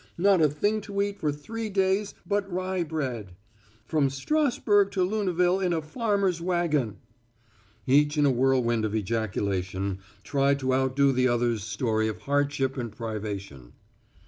"Not a thing to eat for three days but rye bread!" "From Strassburg to Luneville in a farmer's wagon!" Each in a whirlwind of ejaculation tried to outdo the other's story of hardship and privation.